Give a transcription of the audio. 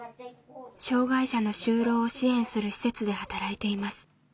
障害者の就労を支援する施設で働いています。